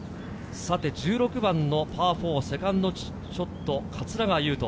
１６番のパー４、セカンドショット、桂川有人。